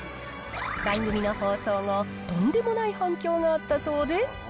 番組の放送後、とんでもない反響があったそうで。